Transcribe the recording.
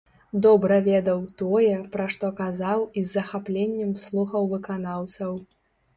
Добра ведаў тое, пра што казаў і з захапленнем слухаў выканаўцаў.